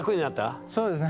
そうですね。